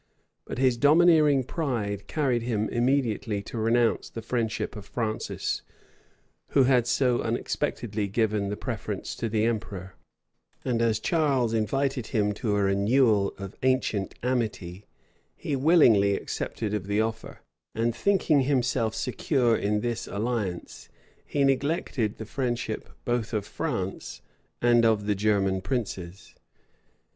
But his domineering pride carried him immediately to renounce the friendship of Francis, who had so unexpectedly given the preference to the emperor; and as Charles invited him to a renewal of ancient amity, he willingly accepted of the offer; and thinking himself secure in this alliance, he neglected the friendship both of France and of the German princes.